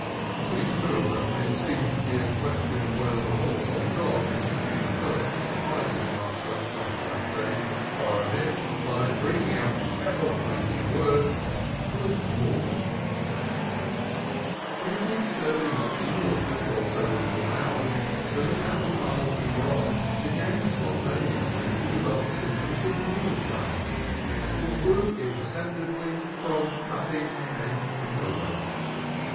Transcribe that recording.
Between the two of them, it seems to be a question whether the horse or the dog is to be the first to surprise his master, some fine day not far ahead, by bringing out the epoch making words, "Good morning We had been steadily marching northward for several warm hours when the cattle path we were on began spontaneously to develop symptoms of wheel tracks, which grew imperceptibly from no thing and nowhere.